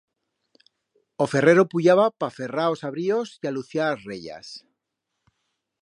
O ferrero puyaba pa ferrar os abríos y aluciar as rellas.